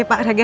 eh pak regar